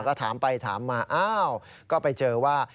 ก็ถามไปถามมาอ้าวก็ไปเจอว่า